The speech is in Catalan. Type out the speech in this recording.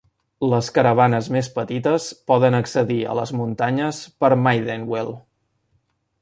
Les caravanes més petites poden accedir a les muntanyes per Maidenwell.